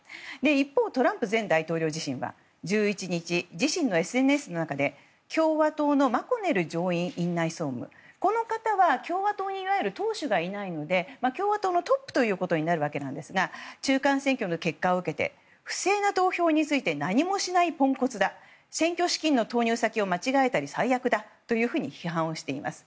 一方、トランプ前大統領自身は１１日、自身のＳＮＳの中で共和党のマコネル上院院内総務この方は、共和党にいわゆる党首がいないので共和党のトップとなるわけですが中間選挙の結果を受けて不正な投票について何もしないポンコツだ選挙資金の投入先を間違えたり最悪だというふうに批判をしています。